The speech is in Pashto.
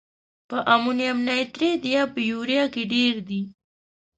په امونیم نایتریت یا په یوریا کې ډیر دی؟